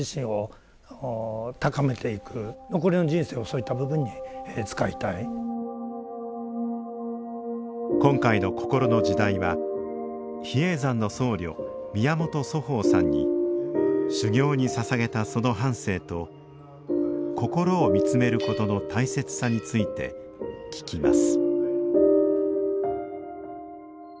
それでも今回の「こころの時代」は比叡山の僧侶宮本祖豊さんに修行にささげたその半生とこころを見つめることの大切さについて聞きます